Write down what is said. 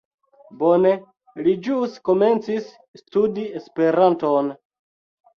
Bone, li ĵus komencis studi Esperanton